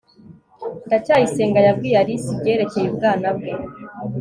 ndacyayisenga yabwiye alice ibyerekeye ubwana bwe